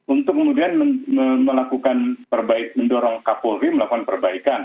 untuk kemudian melakukan terbaik mendorong kapolri melakukan perbaikan